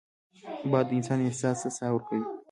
باد د انسان احساس ته ساه ورکوي